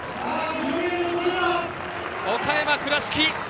岡山・倉敷